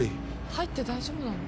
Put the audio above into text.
入って大丈夫なの？